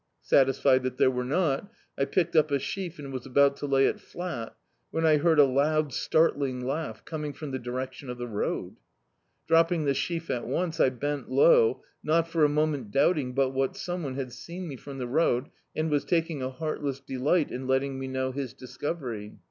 Satisfied that there were not, I picked up a sheaf, and was about to lay it flat, when I heard a loud startling laug^ coming from the directicsi of the road. Dropping the sheaf at (mce, I bent low, not for a moment doubting but what sixnc one had seen me from the road, and was taking a heartless delist in letting me know his discovery.